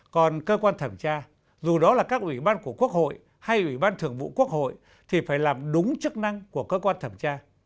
còn cơ quan thẩm tra dù đó là các ủy ban của quốc hội hay ủy ban thường vụ quốc hội thì phải làm đúng chức năng của cơ quan thẩm tra